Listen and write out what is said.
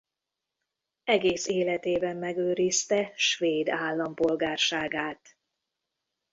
Egész életében megőrizte svéd állampolgárságát.